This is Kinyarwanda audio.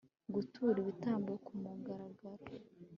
gutura ibitambo ku mugaragaro